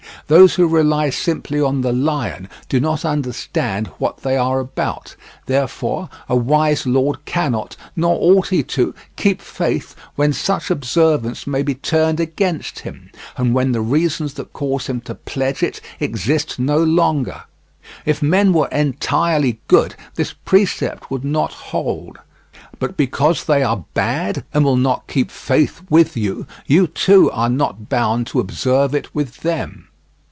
Those who rely simply on the lion do not understand what they are about. Therefore a wise lord cannot, nor ought he to, keep faith when such observance may be turned against him, and when the reasons that caused him to pledge it exist no longer. If men were entirely good this precept would not hold, but because they are bad, and will not keep faith with you, you too are not bound to observe it with them.